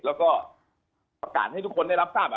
แล้วก็ประกาศให้ทุกคนได้รับทราบ